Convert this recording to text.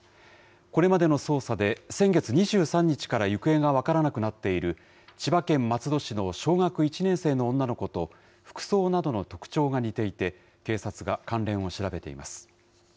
これまでの捜査で、先月２３日から行方が分からなくなっている千葉県松戸市の小学１年生の女の子と服装などの特徴が似ていて、警察が関連を調べています。